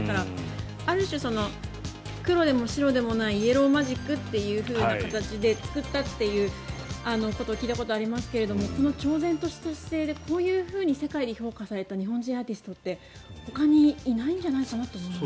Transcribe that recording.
ある種、黒でも白でもないイエロー・マジックという形で作ったということを聞いたことがありますがこの超然とした姿勢でこういうふうに世界で評価された日本人アーティストってほかにいないんじゃないかなと思いますね。